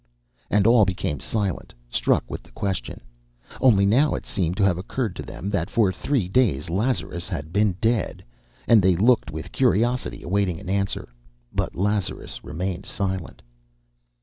And all became silent, struck with the question. Only now it seemed to have occurred to them that for three days Lazarus had been dead; and they looked with curiosity, awaiting an answer. But Lazarus remained silent.